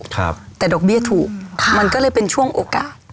ครับแต่ดอกเบี้ยถูกค่ะมันก็เลยเป็นช่วงโอกาส